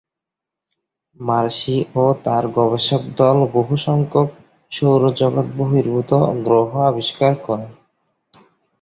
Mercy ও তাঁর গবেষক দল বহুসংখ্যক সৌরজগৎ বহির্ভূত গ্রহ আবিষ্কার করেন।